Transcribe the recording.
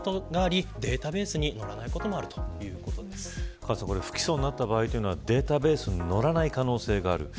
カズさん、不起訴になった場合データベースに載らない可能性がある。